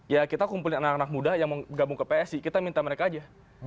ya kita kumpulin anak anak muda yang mau gabung ke psi kita minta mereka aja